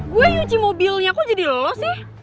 gue yang nyuci mobilnya kok jadi lolos sih